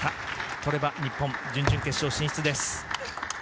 取れば日本、準々決勝進出です。